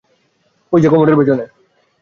ঐযে কমোডের পেছনে।